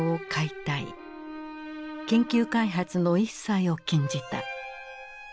研究開発の一切を禁じた。